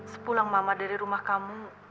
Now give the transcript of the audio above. sepulang mama dari rumah kamu